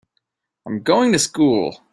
I'm going to school.